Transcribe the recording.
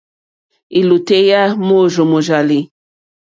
Lìwòtéyá môrzó mòrzàlì.